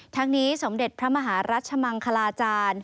ทั้งนี้สมเด็จพระมหารัชมังคลาจารย์